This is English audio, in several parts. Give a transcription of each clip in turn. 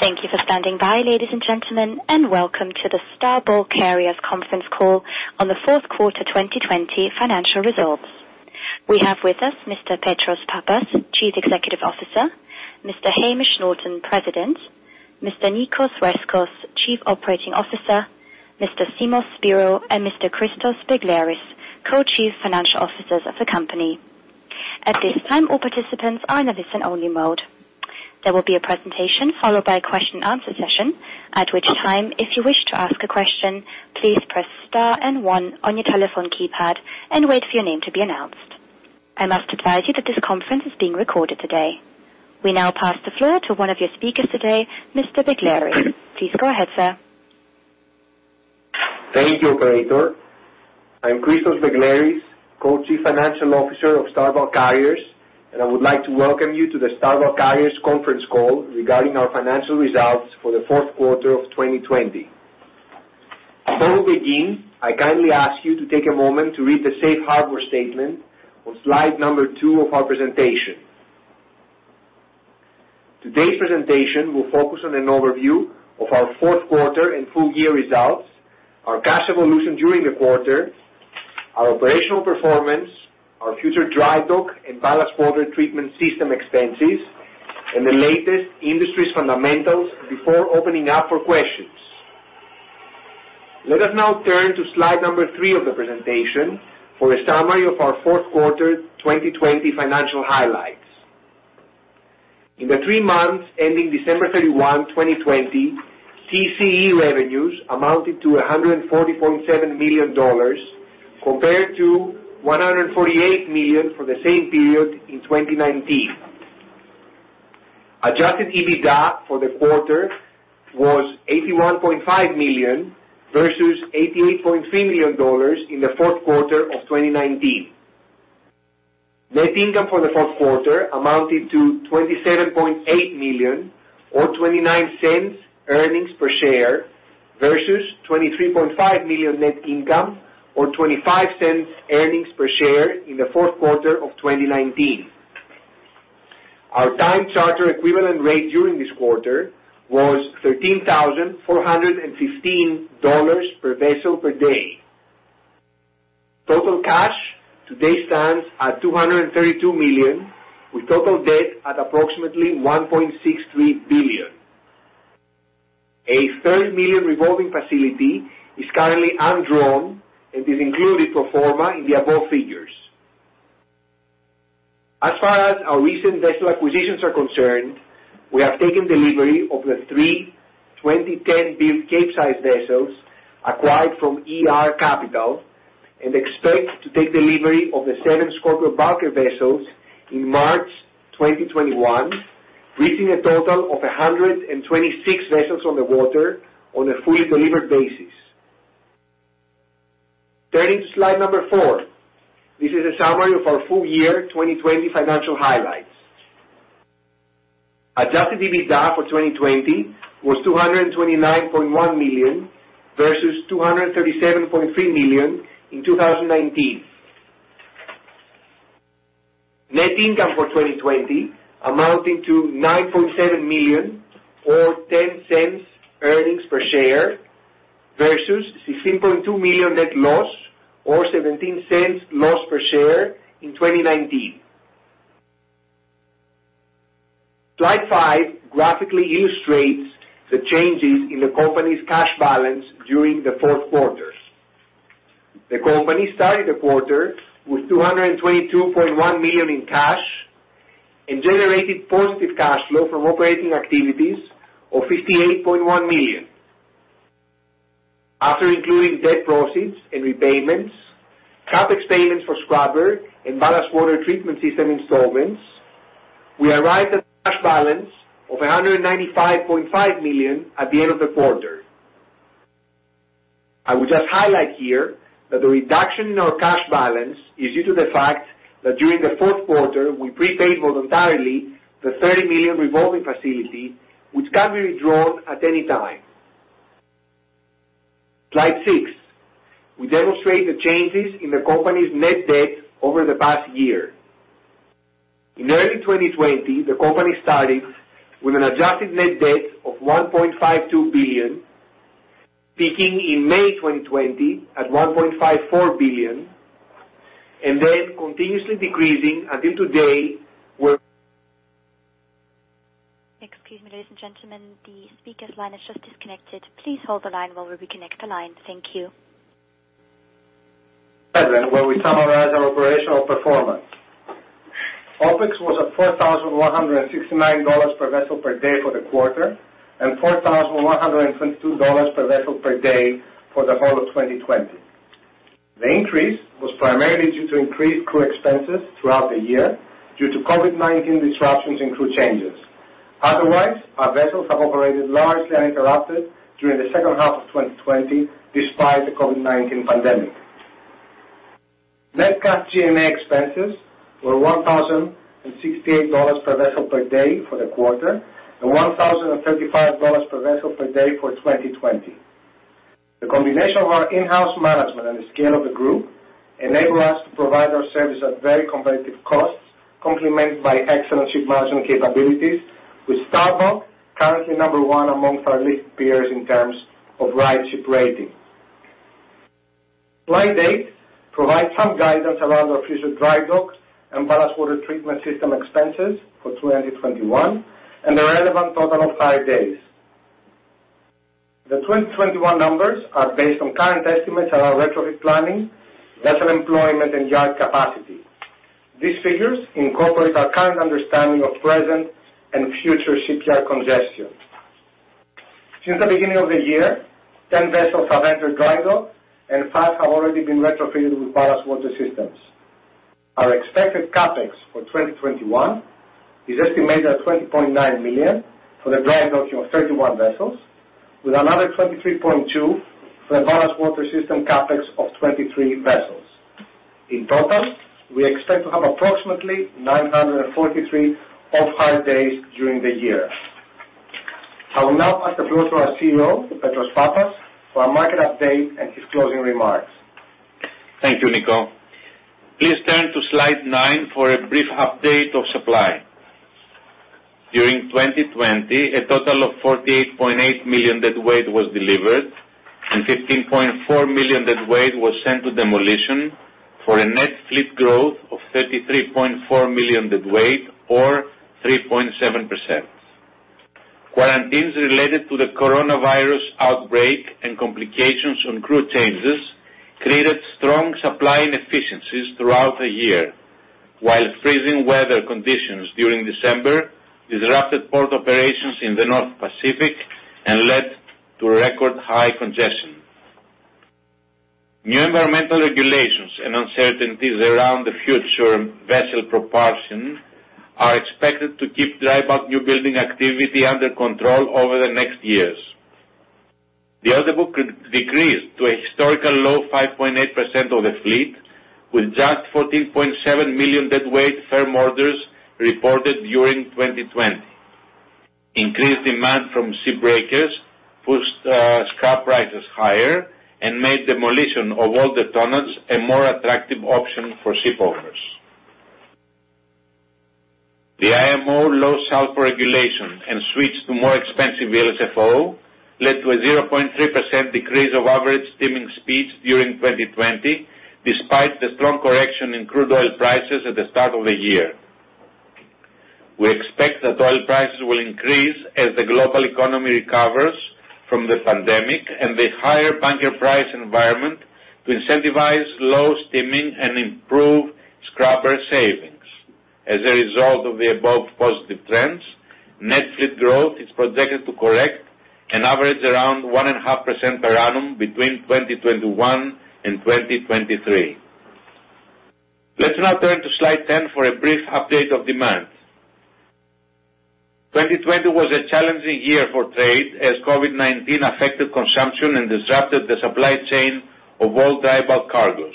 Thank you for standing by, ladies and gentlemen, and welcome to the Star Bulk Carriers Conference Call on the Fourth Quarter 2020 Financial Results. We have with us Mr. Petros Pappas, Chief Executive Officer, Mr. Hamish Norton, President, Mr. Nicos Rescos, Chief Operating Officer, Mr. Simos Spyrou, and Mr. Christos Begleris, Co-Chief Financial Officers of the company. At this time, all participants are in a listen-only mode. There will be a presentation followed by a question and answer session, at which time, if you wish to ask a question, please press star and one on your telephone keypad and wait for your name to be announced. I must advise you that this conference is being recorded today. We now pass the floor to one of your speakers today, Mr. Begleris. Please go ahead, sir. Thank you, Operator. I'm Christos Begleris, Co-Chief Financial Officer of Star Bulk Carriers, and I would like to welcome you to the Star Bulk Carriers Conference Call regarding our financial results for the fourth quarter of 2020. Before we begin, I kindly ask you to take a moment to read the Safe Harbor Statement on slide number two of our presentation. Today's presentation will focus on an overview of our fourth quarter and full-year results, our cash evolution during the quarter, our operational performance, our future dry bulk and ballast water treatment system expenses, and the latest industry's fundamentals before opening up for questions. Let us now turn to slide number three of the presentation for a summary of our fourth quarter 2020 financial highlights. In the three months ending December 31, 2020, TCE revenues amounted to $140.7 million compared to $148 million for the same period in 2019. Adjusted EBITDA for the quarter was $81.5 million versus $88.3 million in the fourth quarter of 2019. Net income for the fourth quarter amounted to $27.8 million or $0.29 earnings per share versus $23.5 million net income or $0.25 earnings per share in the fourth quarter of 2019. Our time charter equivalent rate during this quarter was $13,415 per vessel per day. Total cash today stands at $232 million, with total debt at approximately $1.63 billion. A $30 million revolving facility is currently undrawn and is included pro forma in the above figures. As far as our recent vessel acquisitions are concerned, we have taken delivery of the three 2010-built Capesize vessels acquired from Capital and expect to take delivery of the seven Scorpio Bulkers vessels in March 2021, reaching a total of 126 vessels on the water on a fully delivered basis. Turning to slide number four, this is a summary of our full-year 2020 financial highlights. Adjusted EBITDA for 2020 was $229.1 million versus $237.3 million in 2019. Net income for 2020 amounted to $9.7 million or $0.10 earnings per share versus $16.2 million net loss or $0.17 loss per share in 2019. Slide five graphically illustrates the changes in the company's cash balance during the fourth quarter. The company started the quarter with $222.1 million in cash and generated positive cash flow from operating activities of $58.1 million. After including debt proceeds and repayments, CapEx payments for scrubber and ballast water treatment system installments, we arrived at a cash balance of $195.5 million at the end of the quarter. I would just highlight here that the reduction in our cash balance is due to the fact that during the fourth quarter, we prepaid voluntarily the $30 million revolving facility, which can be withdrawn at any time. Slide six. We demonstrate the changes in the company's net debt over the past year. In early 2020, the company started with an adjusted net debt of $1.52 billion, peaking in May 2020 at $1.54 billion, and then continuously decreasing until today where. Excuse me, ladies and gentlemen. The speaker's line has just disconnected. Please hold the line while we reconnect the line. Thank you. When we summarize our operational performance, OPEX was at $4,169 per vessel per day for the quarter and $4,122 per vessel per day for the whole of 2020. The increase was primarily due to increased crew expenses throughout the year due to COVID-19 disruptions and crew changes. Otherwise, our vessels have operated largely uninterrupted during the second half of 2020 despite the COVID-19 pandemic. Net cash G&A expenses were $1,068 per vessel per day for the quarter and $1,035 per vessel per day for 2020. The combination of our in-house management and the scale of the group enabled us to provide our service at very competitive costs, complemented by excellent ship management capabilities, with Star Bulk currently number one amongst our listed peers in terms of RightShip rating. Slide eight provides some guidance around our future dry bulk and ballast water treatment system expenses for 2021 and the relevant total off-hire days. The 2021 numbers are based on current estimates around retrofit planning, vessel employment, and yard capacity. These figures incorporate our current understanding of present and future shipyard congestion. Since the beginning of the year, 10 vessels have entered dry bulk and five have already been retrofitted with ballast water systems. Our expected Capex for 2021 is estimated at $20.9 million for the dry docking of 31 vessels, with another $23.2 million for the ballast water system Capex of 23 vessels. In total, we expect to have approximately 943 off-hire days during the year. I will now pass the floor to our CEO, Petros Pappas, for a market update and his closing remarks. Thank you, Nico. Please turn to slide nine for a brief update of supply. During 2020, a total of $48.8 million deadweight was delivered and $15.4 million deadweight was sent to demolition for a net fleet growth of $33.4 million deadweight or 3.7%. Quarantines related to the coronavirus outbreak and complications on crew changes created strong supply inefficiencies throughout the year, while freezing weather conditions during December disrupted port operations in the North Pacific and led to record high congestion. New environmental regulations and uncertainties around the future vessel propulsion are expected to keep drydock newbuilding activity under control over the next years. The order book decreased to a historical low 5.8% of the fleet, with just $14.7 million deadweight firm orders reported during 2020. Increased demand from shipbreakers pushed scrap prices higher and made demolition of older tonnage a more attractive option for shipowners. The IMO low sulfur regulation and switch to more expensive VLSFO led to a 0.3% decrease of average steaming speeds during 2020, despite the strong correction in crude oil prices at the start of the year. We expect that oil prices will increase as the global economy recovers from the pandemic and the higher bunker price environment to incentivize slow steaming and improve scrubber savings. As a result of the above positive trends, net fleet growth is projected to correct and average around 1.5% per annum between 2021 and 2023. Let's now turn to slide ten for a brief update of demand. 2020 was a challenging year for trade as COVID-19 affected consumption and disrupted the supply chain of all dry bulk cargoes.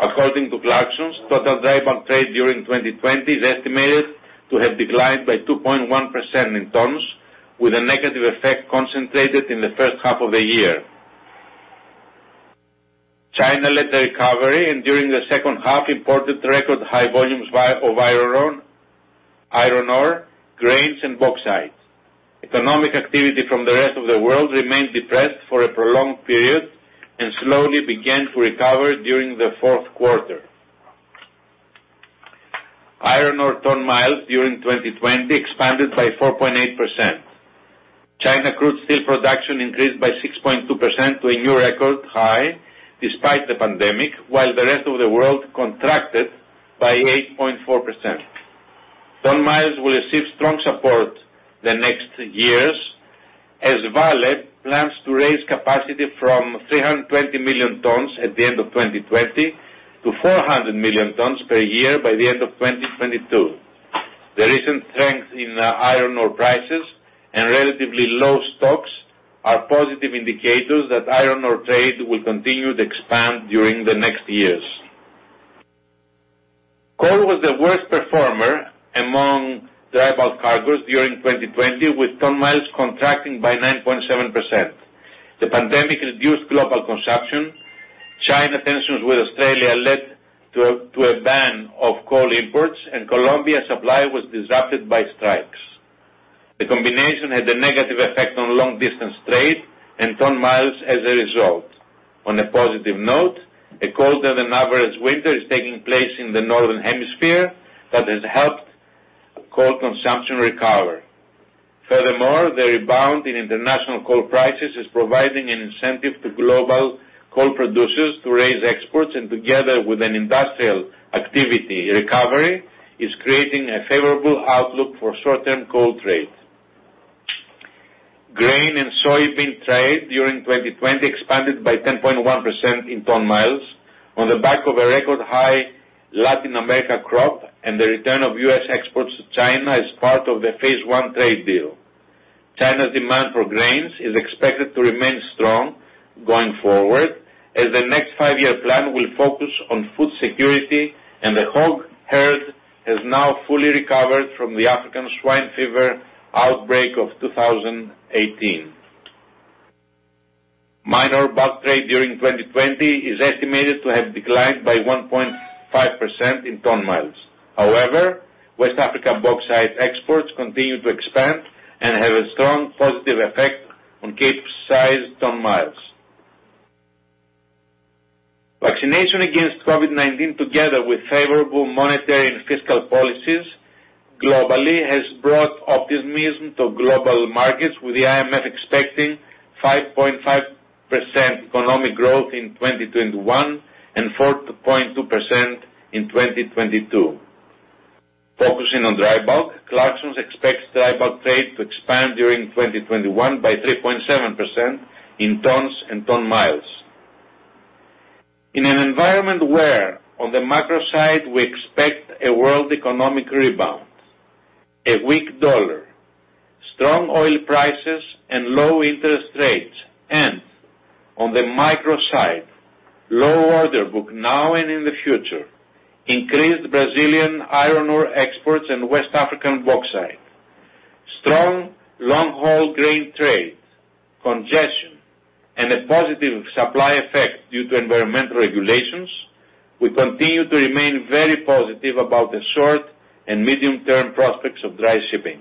According to Clarkson's, total dry bulk trade during 2020 is estimated to have declined by 2.1% in tons, with a negative effect concentrated in the first half of the year. China led the recovery and during the second half imported record high volumes of iron ore, grains, and bauxite. Economic activity from the rest of the world remained depressed for a prolonged period and slowly began to recover during the fourth quarter. Iron ore tonnage during 2020 expanded by 4.8%. China crude steel production increased by 6.2% to a new record high despite the pandemic, while the rest of the world contracted by 8.4%. Tonnage will receive strong support the next years as Vale plans to raise capacity from 320 million tons at the end of 2020 to 400 million tons per year by the end of 2022. The recent trends in iron ore prices and relatively low stocks are positive indicators that iron ore trade will continue to expand during the next years. Coal was the worst performer among dry bulk cargoes during 2020, with tonnage contracting by 9.7%. The pandemic reduced global consumption. China tensions with Australia led to a ban of coal imports, and Colombia's supply was disrupted by strikes. The combination had a negative effect on long-distance trade and tonnage as a result. On a positive note, a colder than average winter is taking place in the Northern Hemisphere that has helped coal consumption recover. Furthermore, the rebound in international coal prices is providing an incentive to global coal producers to raise exports, and together with an industrial activity recovery, is creating a favorable outlook for short-term coal trade. Grain and soybean trade during 2020 expanded by 10.1% in tonnage on the back of a record high Latin America crop, and the return of U.S. exports to China as part of the Phase One trade deal. China's demand for grains is expected to remain strong going forward, as the next five-year plan will focus on food security, and the hog herd has now fully recovered from the African swine fever outbreak of 2018. Minor bulk trade during 2020 is estimated to have declined by 1.5% in tonnage. However, West African bauxite exports continue to expand and have a strong positive effect on Capesize ton-miles. Vaccination against COVID-19, together with favorable monetary and fiscal policies globally, has brought optimism to global markets, with the IMF expecting 5.5% economic growth in 2021 and 4.2% in 2022. Focusing on dry bulk, Clarksons expects dry bulk trade to expand during 2021 by 3.7% in tons and ton-miles. In an environment where, on the macro side, we expect a world economic rebound, a weak dollar, strong oil prices, and low interest rates, and on the micro side, low order book now and in the future, increased Brazilian iron ore exports and West African bauxite, strong long-haul grain trade, congestion, and a positive supply effect due to environmental regulations, we continue to remain very positive about the short and medium-term prospects of dry shipping.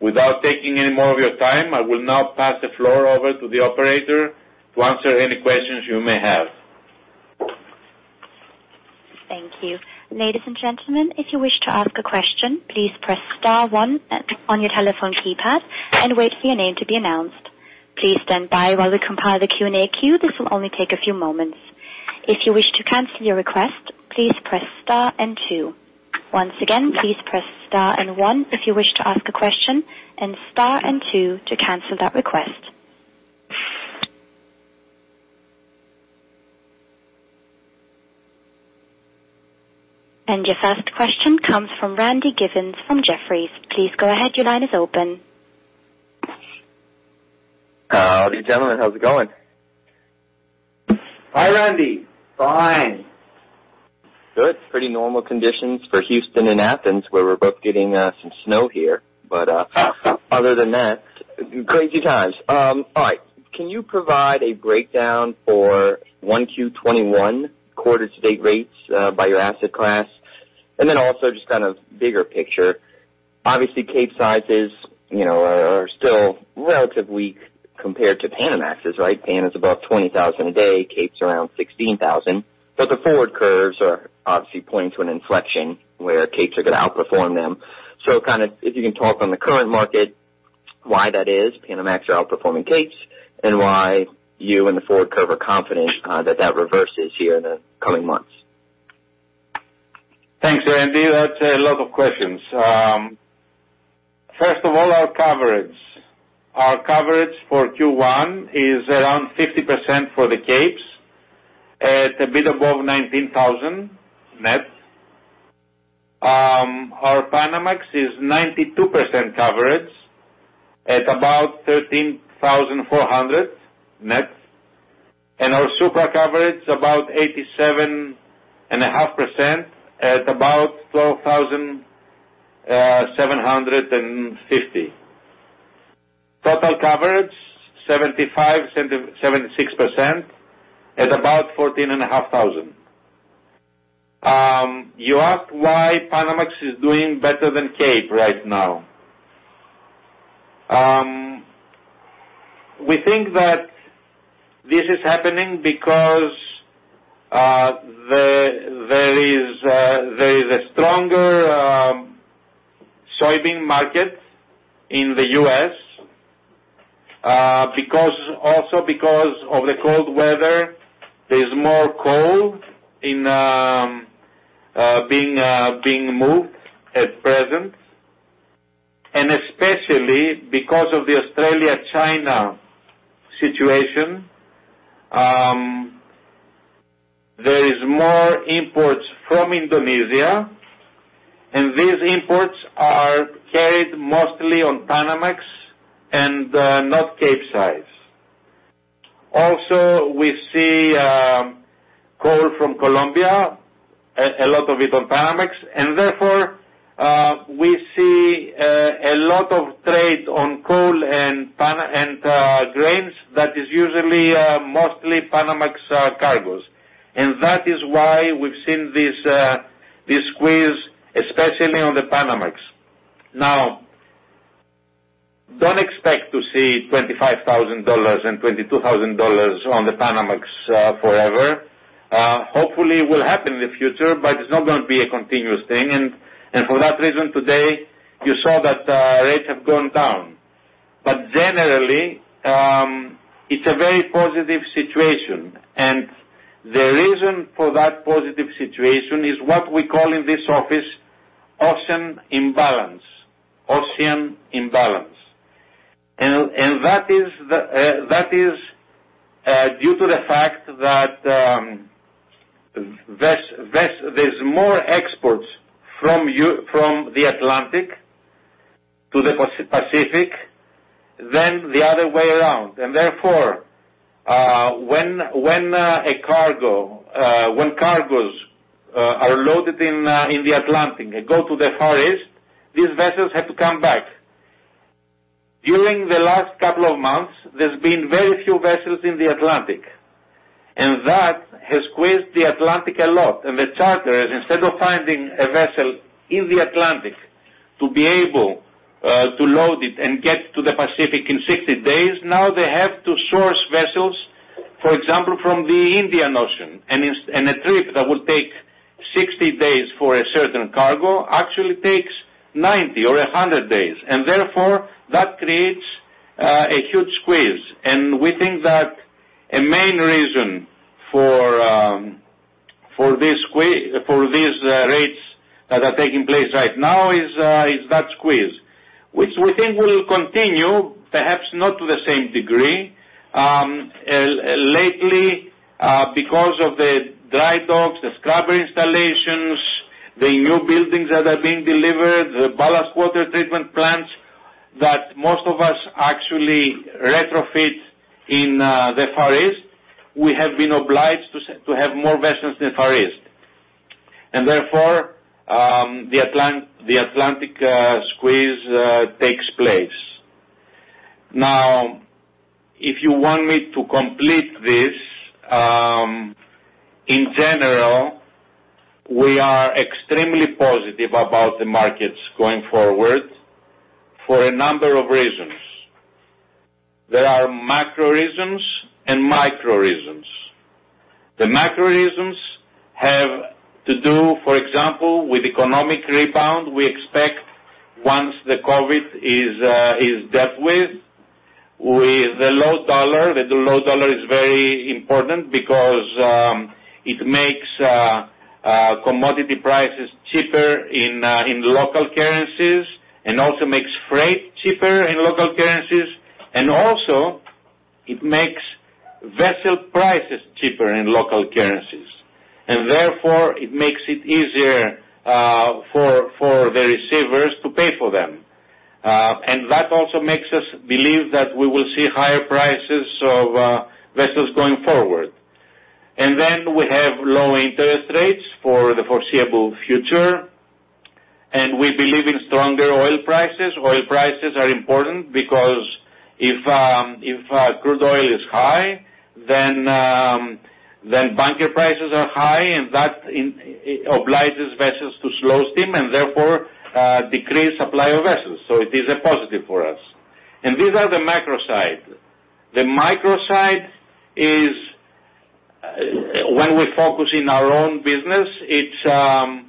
Without taking any more of your time, I will now pass the floor over to the operator to answer any questions you may have. Thank you. Ladies and gentlemen, if you wish to ask a question, please press star one on your telephone keypad and wait for your name to be announced. Please stand by while we compile the Q&A queue. This will only take a few moments. If you wish to cancel your request, please press star and two. Once again, please press star and one if you wish to ask a question, and star and two to cancel that request. And your first question comes from Randy Givens from Jefferies. Please go ahead. Your line is open. Howdy, gentlemen. How's it going? Hi, Randy. Fine. Good. Pretty normal conditions for Houston and Athens, where we're both getting some snow here, but other than that, crazy times. All right. Can you provide a breakdown for 1Q 2021 quarter-to-date rates by your asset class, and then also just kind of bigger picture. Obviously, Capesize are still relatively weak compared to Panamax, right? Pan is about 20,000 a day. Capesize around 16,000. But the forward curves are obviously pointing to an inflection where Capesize are going to outperform them. So kind of if you can talk on the current market, why that is, Panamax are outperforming Capesize, and why you and the forward curve are confident that that reverses here in the coming months. Thanks, Randy. That's a lot of questions. First of all, our coverage. Our coverage for Q1 is around 50% for the Capes at a bit above $19,000 net. Our Panamax is 92% coverage at about $13,400 net. And our Supramax] coverage, about 87.5% at about $12,750. Total coverage, 75%-76% at about $14,500. You ask why Panamax is doing better than Cape right now. We think that this is happening because there is a stronger soybean market in the US, also because of the cold weather. There's more coal being moved at present. And especially because of the Australia-China situation, there is more imports from Indonesia, and these imports are carried mostly on Panamax and not Capesize. Also, we see coal from Colombia, a lot of it on Panamax, and therefore we see a lot of trade on coal and grains that is usually mostly Panamax cargoes. And that is why we've seen this squeeze, especially on the Panamax. Now, don't expect to see $25,000 and $22,000 on the Panamax forever. Hopefully, it will happen in the future, but it's not going to be a continuous thing. And for that reason, today, you saw that rates have gone down. But generally, it's a very positive situation. And the reason for that positive situation is what we call in this office ocean imbalance, ocean imbalance. And that is due to the fact that there's more exports from the Atlantic to the Pacific than the other way around. And therefore, when cargoes are loaded in the Atlantic and go to the Far East, these vessels have to come back. During the last couple of months, there's been very few vessels in the Atlantic. And that has squeezed the Atlantic a lot. And the charterers, instead of finding a vessel in the Atlantic to be able to load it and get to the Pacific in 60 days, now they have to source vessels, for example, from the Indian Ocean. And a trip that will take 60 days for a certain cargo actually takes 90 or 100 days. And therefore, that creates a huge squeeze. And we think that a main reason for these rates that are taking place right now is that squeeze, which we think will continue, perhaps not to the same degree. Lately, because of the dry dock, the scrubber installations, the new buildings that are being delivered, the ballast water treatment plants that most of us actually retrofit in the Far East, we have been obliged to have more vessels in the Far East. And therefore, the Atlantic squeeze takes place. Now, if you want me to complete this, in general, we are extremely positive about the markets going forward for a number of reasons. There are macro reasons and micro reasons. The macro reasons have to do, for example, with economic rebound we expect once the COVID is dealt with. With the low dollar, the low dollar is very important because it makes commodity prices cheaper in local currencies and also makes freight cheaper in local currencies. And also, it makes vessel prices cheaper in local currencies. And therefore, it makes it easier for the receivers to pay for them. And that also makes us believe that we will see higher prices of vessels going forward. And then we have low interest rates for the foreseeable future. And we believe in stronger oil prices. Oil prices are important because if crude oil is high, then bunker prices are high, and that obliges vessels to slow steam and therefore decrease supply of vessels. So it is a positive for us, and these are the macro side. The micro side is when we focus in our own business; it's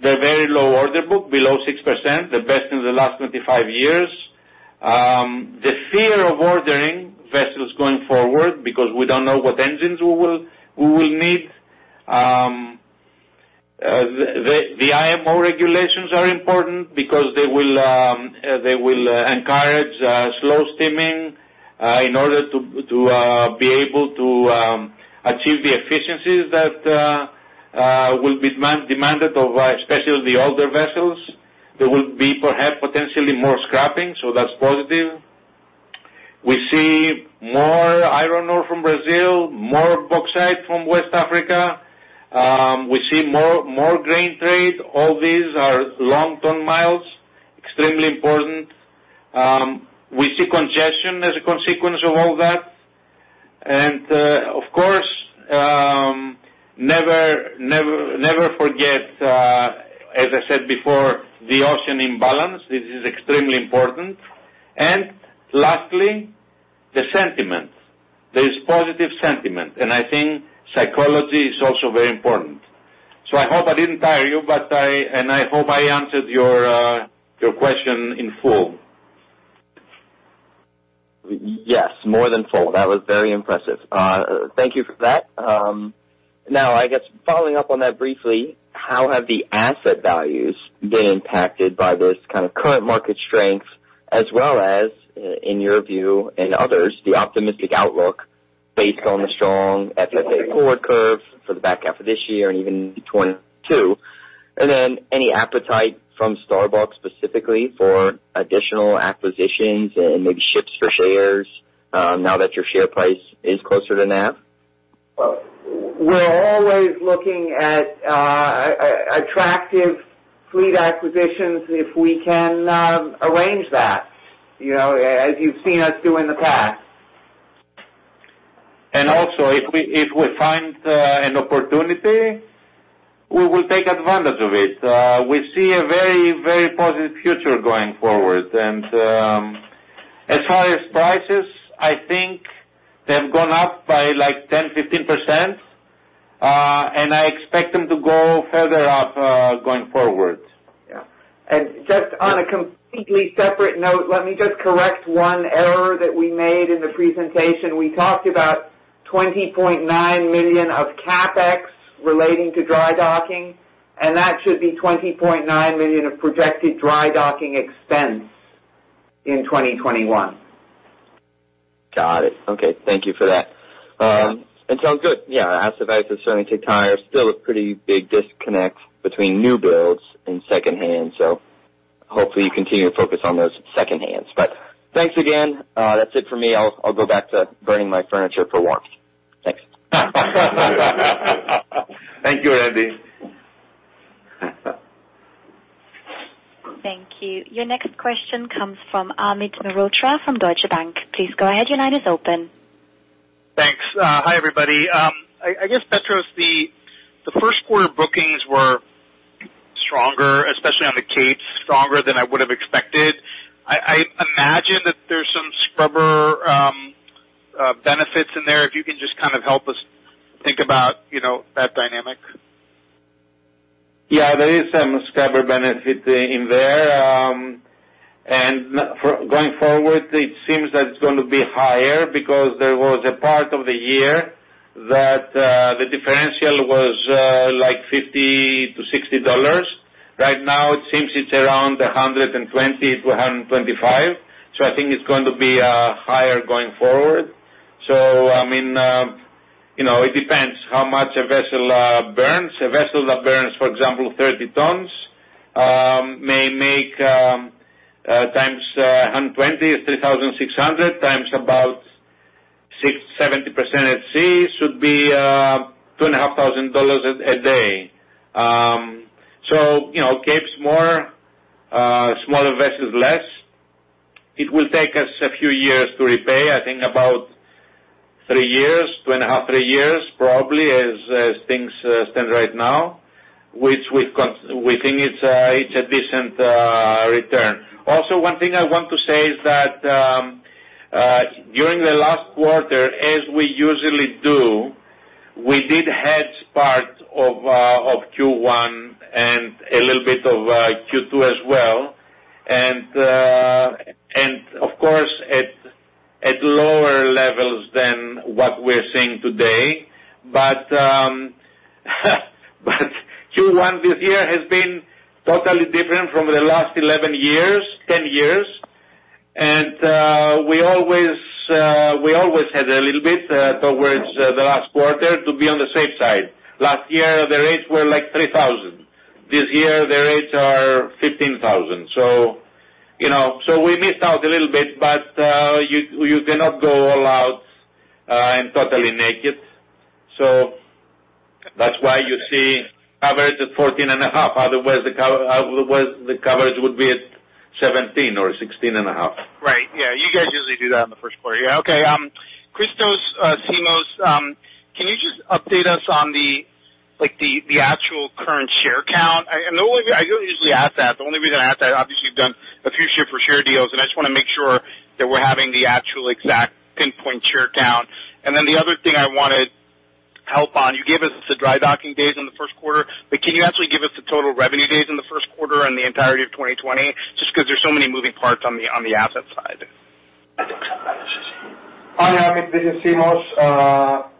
the very low order book, below 6%, the best in the last 25 years. The fear of ordering vessels going forward because we don't know what engines we will need. The IMO regulations are important because they will encourage slow steaming in order to be able to achieve the efficiencies that will be demanded of especially the older vessels. There will be perhaps potentially more scrapping, so that's positive. We see more iron ore from Brazil, more bauxite from West Africa. We see more grain trade. All these are long-ton miles, extremely important. We see congestion as a consequence of all that, and of course, never forget, as I said before, the ocean imbalance. This is extremely important, and lastly, the sentiment. There is positive sentiment, and I think psychology is also very important, so I hope I didn't tire you, and I hope I answered your question in full. Yes, more than full. That was very impressive. Thank you for that. Now, I guess following up on that briefly, how have the asset values been impacted by this kind of current market strength, as well as, in your view and others, the optimistic outlook based on the strong FFA forward curve for the back half of this year and even 2022? And then any appetite from Star Bulk specifically for additional acquisitions and maybe ships for shares now that your share price is closer to NAV? We're always looking at attractive fleet acquisitions if we can arrange that, as you've seen us do in the past, and also, if we find an opportunity, we will take advantage of it. We see a very, very positive future going forward. As far as prices, I think they've gone up by like 10%-15%, and I expect them to go further up going forward. Yeah. Just on a completely separate note, let me just correct one error that we made in the presentation. We talked about $20.9 million of CapEx relating to dry docking, and that should be $20.9 million of projected dry docking expense in 2021. Got it. Okay. Thank you for that, and sounds good. Yeah. Asset values have certainly taken a hit. There's still a pretty big disconnect between new builds and secondhand. So hopefully, you continue to focus on those secondhands. But thanks again. That's it for me. I'll go back to burning my furniture for warmth. Thanks. Thank you, Randy. Thank you. Your next question comes from Amit Mehrotra from Deutsche Bank. Please go ahead. Your line is open. Thanks. Hi, everybody. I guess, Petros, the first quarter bookings were stronger, especially on the Cape, stronger than I would have expected. I imagine that there's some scrubber benefits in there. If you can just kind of help us think about that dynamic? Yeah. There is some scrubber benefit in there, and going forward, it seems that it's going to be higher because there was a part of the year that the differential was like $50-$60. Right now, it seems it's around $120-$125, so I think it's going to be higher going forward, so I mean, it depends how much a vessel burns. A vessel that burns, for example, 30 tons may make times $120 is $3,600x about 70% at sea should be $2,500 a day, so Capes more, smaller vessels less. It will take us a few years to repay. I think about three years, two and a half, three years, probably, as things stand right now, which we think it's a decent return. Also, one thing I want to say is that during the last quarter, as we usually do, we did hedge part of Q1 and a little bit of Q2 as well. And of course, at lower levels than what we're seeing today. But Q1 this year has been totally different from the last 11 years, 10 years. And we always had a little bit towards the last quarter to be on the safe side. Last year, the rates were like $3,000. This year, the rates are $15,000. So we missed out a little bit, but you cannot go all out and totally naked. So that's why you see coverage at $14,500. Otherwise, the coverage would be at $17,000 or $16,500. Right. Yeah. You guys usually do that in the first quarter. Yeah. Okay. Christos, Simos, can you just update us on the actual current share count? I don't usually ask that. The only reason I ask that, obviously, you've done a few ship-for-share deals, and I just want to make sure that we're having the actual exact pinpoint share count, and then the other thing I wanted help on, you gave us the dry docking days in the first quarter, but can you actually give us the total revenue days in the first quarter and the entirety of 2020? Just because there's so many moving parts on the asset side. Hi, Amit. This is Simos.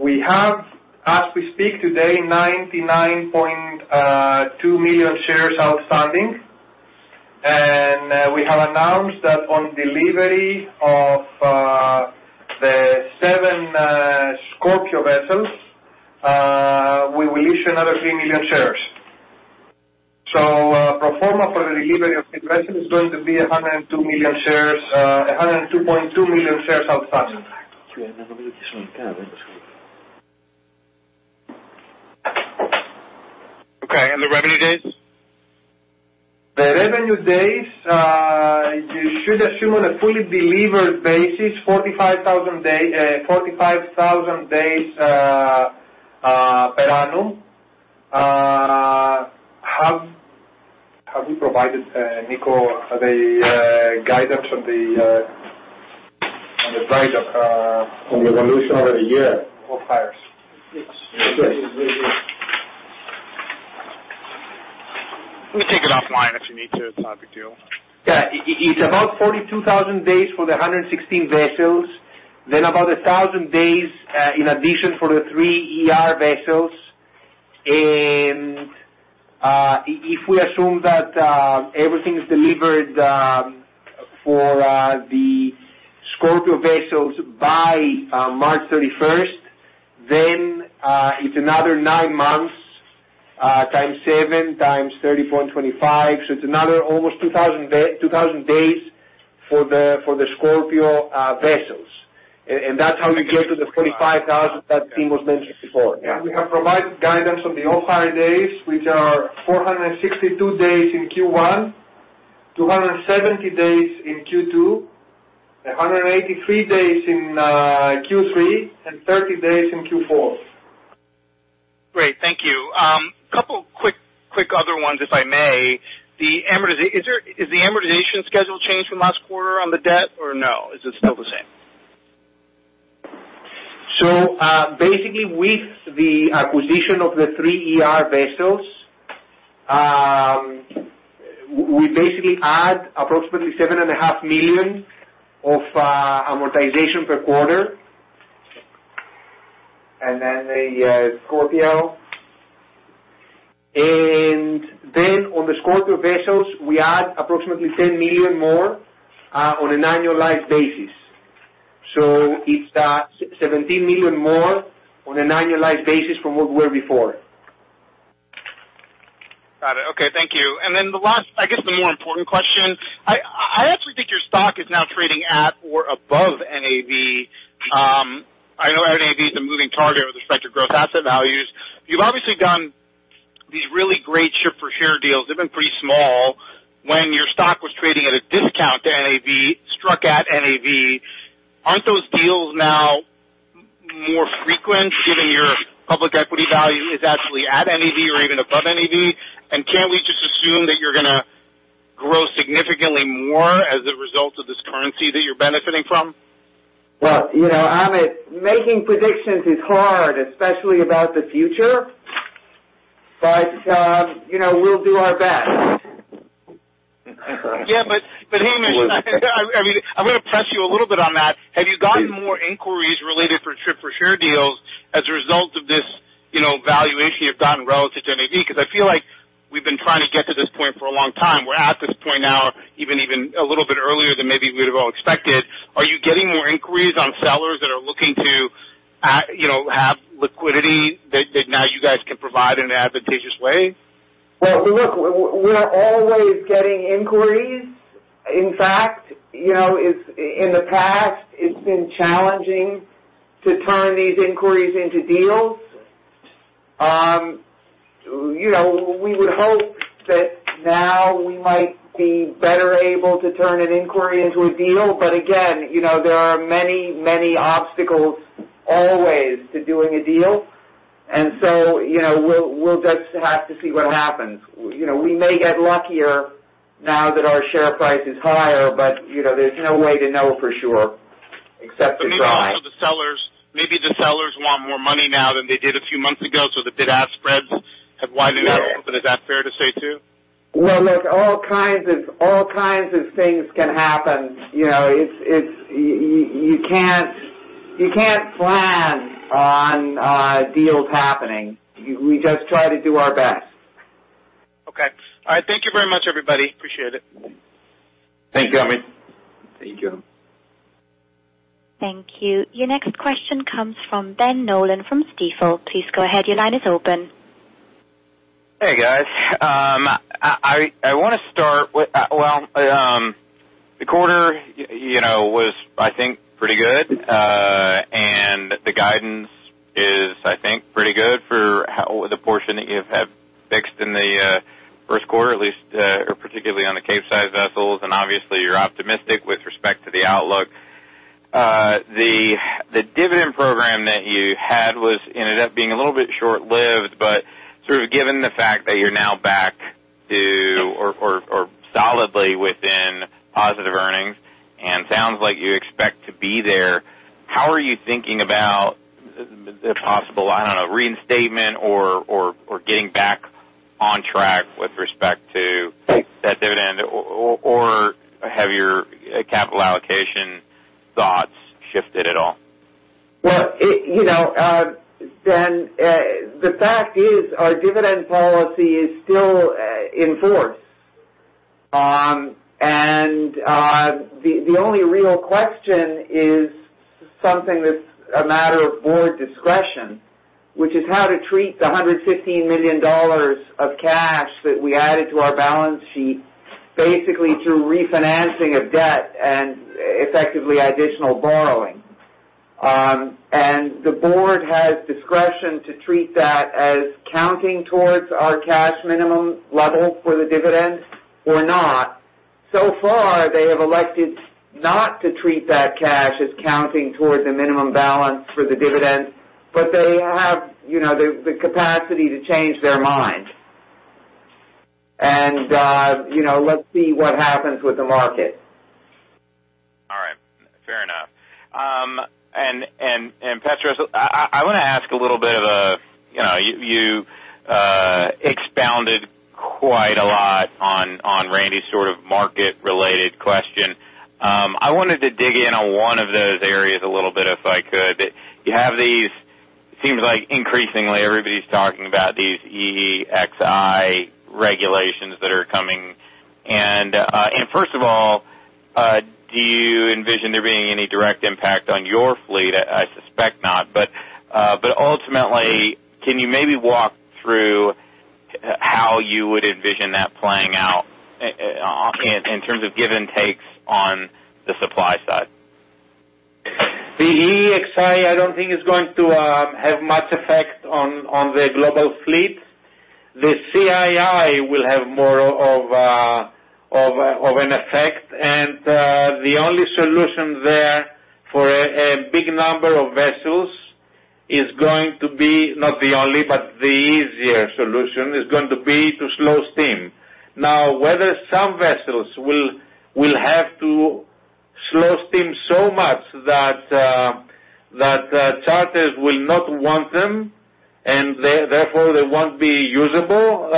We have, as we speak today, 99.2 million shares outstanding. And we have announced that on delivery of the seven Scorpio vessels, we will issue another three million shares. So pro forma for the delivery of these vessels is going to be 102.2 million shares outstanding. Okay. And the revenue days? The revenue days, you should assume on a fully delivered basis, 45,000 days per annum. Have we provided Nicos the guidance on the dry dock evolution over the year? Yes. Let me take it offline if you need to. It's not a big deal. Yeah. It's about 42,000 days for the 116 vessels, then about 1,000 days in addition for the three vessels. And if we assume that everything is delivered for the Scorpio vessels by March 31st, then it's another nine months times 7 times 30.25. So it's another almost 2,000 days for the Scorpio vessels. And that's how you get to the 45,000 that Simos mentioned before. Yeah. We have provided guidance on the off-hire days, which are 462 days in Q1, 270 days in Q2, 183 days in Q3, and 30 days in Q4. Great. Thank you. A couple of quick other ones, if I may. Is the amortization schedule changed from last quarter on the debt, or no? Is it still the same? So basically, with the acquisition of the three vessels, we basically add approximately $7.5 million of amortization per quarter. And then the Scorpio? And then on the Scorpio vessels, we add approximately $10 million more on an annualized basis. So it's $17 million more on an annualized basis from what we were before. Got it. Okay. Thank you. And then the last, I guess the more important question. I actually think your stock is now trading at or above NAV. I know NAV is a moving target with respect to growth asset values. You've obviously done these really great ship-for-share deals. They've been pretty small. When your stock was trading at a discount to NAV, struck at NAV, aren't those deals now more frequent given your public equity value is actually at NAV or even above NAV? And can we just assume that you're going to grow significantly more as a result of this currency that you're benefiting from? Well, Amit, making predictions is hard, especially about the future, but we'll do our best. Yeah. But Hamish, I mean, I'm going to press you a little bit on that. Have you gotten more inquiries related for ship-for-share deals as a result of this valuation you've gotten relative to NAV? Because I feel like we've been trying to get to this point for a long time. We're at this point now, even a little bit earlier than maybe we would have all expected. Are you getting more inquiries on sellers that are looking to have liquidity that now you guys can provide in an advantageous way? Well, look, we're always getting inquiries. In fact, in the past, it's been challenging to turn these inquiries into deals. We would hope that now we might be better able to turn an inquiry into a deal. But again, there are many, many obstacles always to doing a deal. And so we'll just have to see what happens. We may get luckier now that our share price is higher, but there's no way to know for sure except to try. Maybe the sellers want more money now than they did a few months ago, so the bid-ask spreads have widened out a little bit. Is that fair to say too? Look, all kinds of things can happen. You can't plan on deals happening. We just try to do our best. Okay. All right. Thank you very much, everybody. Appreciate it. Thank you, Amit. Thank you. Thank you. Your next question comes from Ben Nolan from Stifel. Please go ahead. Your line is open. Hey, guys. I want to start with, well, the quarter was, I think, pretty good. And the guidance is, I think, pretty good for the portion that you have fixed in the first quarter, at least, particularly on the Capesize vessels. And obviously, you're optimistic with respect to the outlook. The dividend program that you had ended up being a little bit short-lived, but sort of given the fact that you're now back to or solidly within positive earnings and sounds like you expect to be there, how are you thinking about a possible, I don't know, reinstatement or getting back on track with respect to that dividend? Or have your capital allocation thoughts shifted at all? Ben, the fact is our dividend policy is still in force. The only real question is something that's a matter of board discretion, which is how to treat the $115 million of cash that we added to our balance sheet basically through refinancing of debt and effectively additional borrowing. The board has discretion to treat that as counting towards our cash minimum level for the dividend or not. So far, they have elected not to treat that cash as counting toward the minimum balance for the dividend, but they have the capacity to change their mind. Let's see what happens with the market. All right. Fair enough. And Petros, I want to ask a little bit of a you expounded quite a lot on Randy's sort of market-related question. I wanted to dig in on one of those areas a little bit if I could. You have these, it seems like increasingly everybody's talking about these EEXI regulations that are coming. And first of all, do you envision there being any direct impact on your fleet? I suspect not. But ultimately, can you maybe walk through how you would envision that playing out in terms of give and takes on the supply side? The EEXI, I don't think, is going to have much effect on the global fleet. The CII will have more of an effect. And the only solution there for a big number of vessels is going to be not the only, but the easier solution is going to be to slow steam. Now, whether some vessels will have to slow steam so much that charters will not want them and therefore they won't be usable,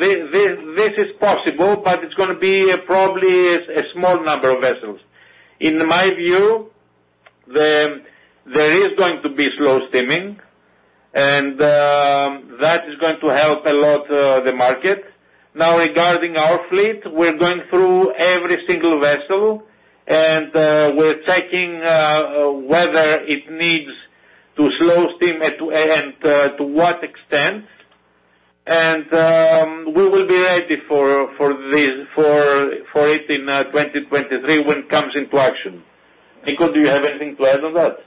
this is possible, but it's going to be probably a small number of vessels. In my view, there is going to be slow steaming, and that is going to help a lot the market. Now, regarding our fleet, we're going through every single vessel, and we're checking whether it needs to slow steam and to what extent. And we will be ready for it in 2023 when it comes into action. Nicos, do you have anything to add on that?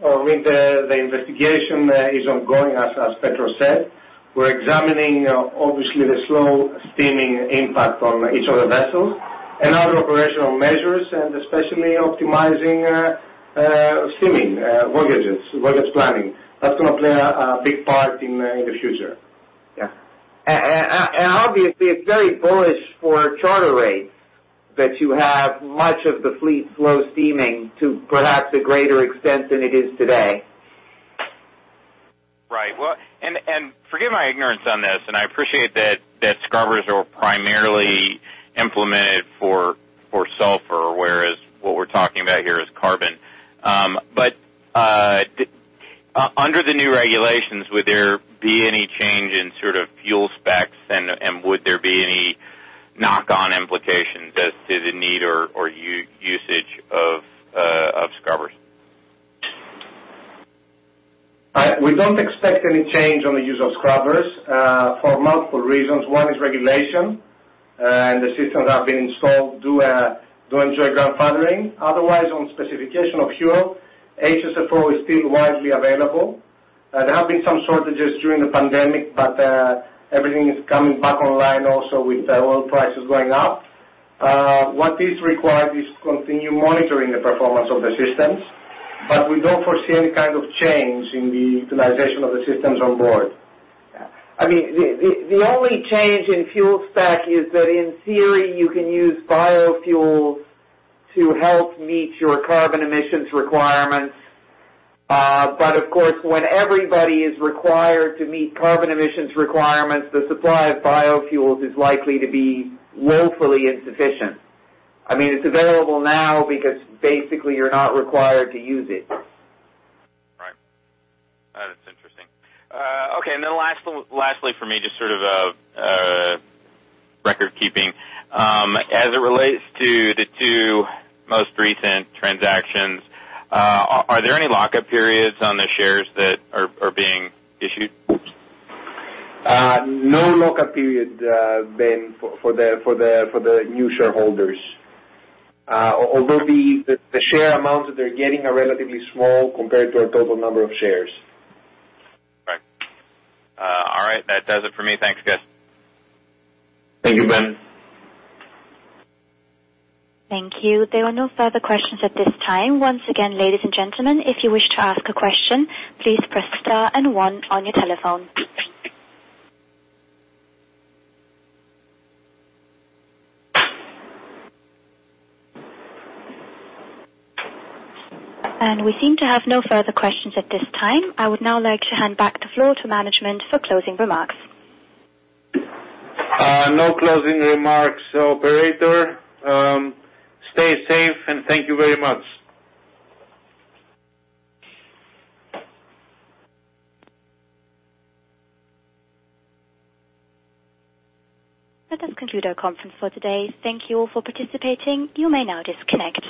I mean, the investigation is ongoing, as Petros said. We're examining, obviously, the slow steaming impact on each of the vessels and other operational measures, and especially optimizing steaming voyages, voyage planning. That's going to play a big part in the future. Yeah. And obviously, it's very bullish for charter rates that you have much of the fleet slow steaming to perhaps a greater extent than it is today. Right. And forgive my ignorance on this, and I appreciate that scrubbers are primarily implemented for sulfur, whereas what we're talking about here is carbon. But under the new regulations, would there be any change in sort of fuel specs, and would there be any knock-on implications as to the need or usage of scrubbers? We don't expect any change on the use of scrubbers for multiple reasons. One is regulation, and the systems that have been installed do enjoy grandfathering. Otherwise, on specification of fuel, HSFO is still widely available. There have been some shortages during the pandemic, but everything is coming back online also with oil prices going up. What is required is continued monitoring of the performance of the systems, but we don't foresee any kind of change in the utilization of the systems on board. I mean, the only change in fuel spec is that in theory, you can use biofuels to help meet your carbon emissions requirements. But of course, when everybody is required to meet carbon emissions requirements, the supply of biofuels is likely to be woefully insufficient. I mean, it's available now because basically you're not required to use it. Right. That is interesting. Okay. And then lastly for me, just sort of record-keeping, as it relates to the two most recent transactions, are there any lockup periods on the shares that are being issued? No lockup period, Ben, for the new shareholders. Although the share amounts that they're getting are relatively small compared to our total number of shares. Right. All right. That does it for me. Thanks, guys. Thank you, Ben. Thank you. There are no further questions at this time. Once again, ladies and gentlemen, if you wish to ask a question, please press star and one on your telephone. We seem to have no further questions at this time. I would now like to hand back the floor to management for closing remarks. No closing remarks, operator. Stay safe and thank you very much. That does conclude our conference for today. Thank you all for participating. You may now disconnect.